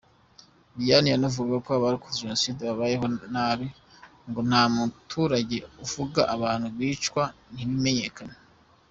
Diane yanavugaga ko abarokotse Jenoside babayeho nabi, ngo nta muturage uvuga, abantu bicwa ntibimenyekane.